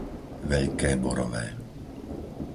Veľké Borové